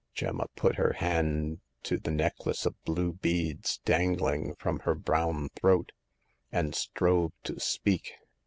Gemma put her hand to the necklace of blue beads dangling from her brown throat, and strove to speak.